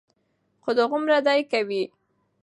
خو دغومره دې کوي،